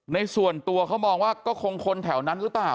ในส่วนตัวเขามองว่าก็คงคนแถวนั้นหรือเปล่า